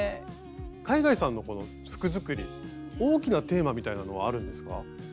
海外さんのこの服作り大きなテーマみたいなのはあるんですか？